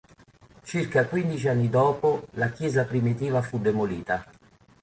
Circa quindici anni dopo la chiesa primitiva fu demolita.